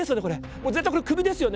もう絶対これクビですよね？